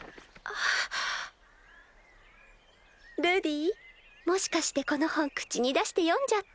ルディもしかしてこの本口に出して読んじゃった？